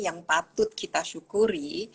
yang patut kita syukuri